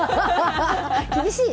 厳しい！